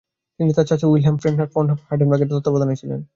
তিনি তার চাচা উইলহে্ম ফ্রেইহার ফণ হার্ডেনবার্গের তত্বাবধনে ছিলেন।